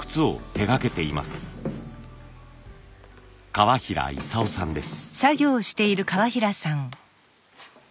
川平勇雄さんです。